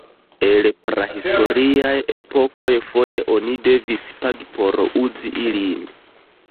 El prahistoriaj epokoj foje oni devis pagi por uzi ilin.